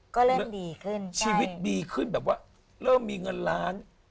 ก็เริ่มดีขึ้นชีวิตดีขึ้นแบบว่าเริ่มมีเงินล้าน